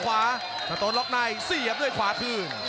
ฆาตาวุฒิล็อกในซี่ยับด้วยขวาพื้น